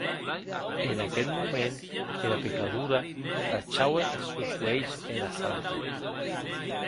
En aqueth moment era pecadora tachaue es sòns uelhs ena santa.